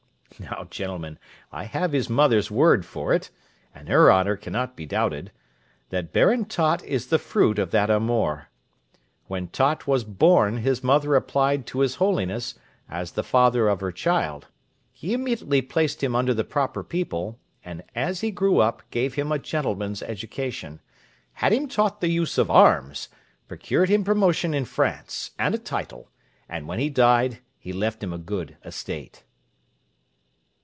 _Now, gentlemen, I have his mother's word for it (and her honour cannot be doubted), that Baron Tott is the fruit of that amour. When Tott was born, his mother applied to His Holiness, as the father of her child; he immediately placed him under the proper people, and as he grew up gave him a gentleman's education, had him taught the use of arms, procured him promotion in France, and a title, and when he died he left him a good estate.